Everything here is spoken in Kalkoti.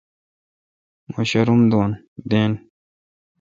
مہ شاروم دین۔